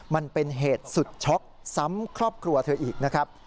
มันเป็นเหตุสุดช็อกซ้ำครอบครัวเธออีกนะครับ